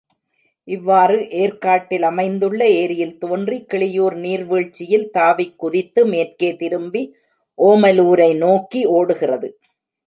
இவ்வாறு ஏர்க்காட்டில் அமைந்துள்ள ஏரியில் தோன்றி, கிளியூர் நீர்வீழ்ச்சியில் தாவிக்குதித்து, மேற்கே திரும்பி ஓமலூரை நோக்கி ஓடுகிறது.